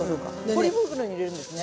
ポリ袋に入れるんですね。